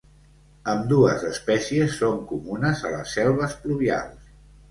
Ambdues espècies són comunes a les selves pluvials.